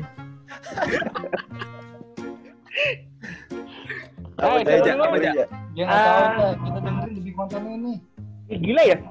mata dengerin lebih kontennya